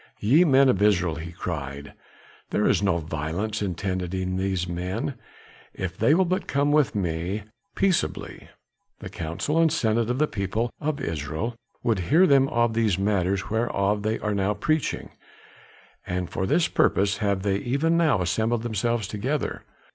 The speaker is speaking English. "Ye men of Israel," he cried, "there is no violence intended these men, if they will but come with me peaceably. The council and senate of the people of Israel would hear them of these matters whereof they are now preaching, and for this purpose have they even now assembled themselves together.